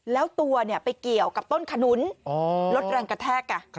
แล้วตัวเนี่ยไปเกี่ยวกับต้นขนุนลดรังกระแทก